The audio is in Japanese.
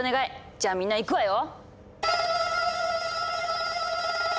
じゃあみんないくわよ！